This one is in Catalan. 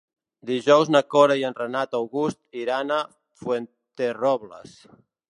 Dijous na Cora i en Renat August iran a Fuenterrobles.